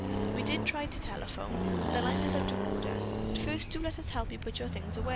We did try to telephone, but the line is out of order, but first do let us help you put away your things."